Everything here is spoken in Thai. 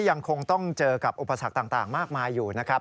ยังคงต้องเจอกับอุปสรรคต่างมากมายอยู่นะครับ